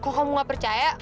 kalau kamu gak percaya